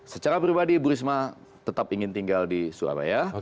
secara pribadi ibu risma tetap ingin tinggal di surabaya